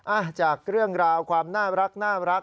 อ่ะจากเรื่องราวความน่ารัก